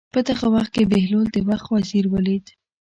په دغه وخت کې بهلول د وخت وزیر ولید.